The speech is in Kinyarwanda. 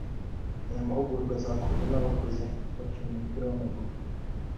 Aya mahugurwa azakorwa n’ abahoze bakina umupira w’amaguru